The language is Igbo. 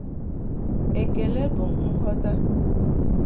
Ekele bụ nghọta